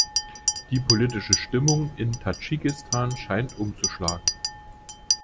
Die politische Stimmung in Tadschikistan scheint umzuschlagen.